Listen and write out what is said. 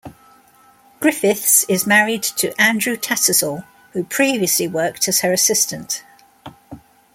Griffiths is married to Andrew Tattersall, who previously worked as her assistant.